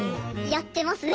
やってますね